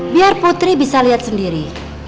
biar putri bisa lihat sendiri